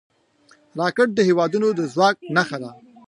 راکټ د هیوادونو د ځواک نښه ده